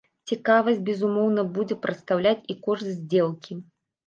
Цікавасць, безумоўна, будзе прадстаўляць і кошт здзелкі.